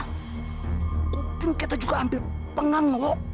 mungkin kita juga hampir pengang loh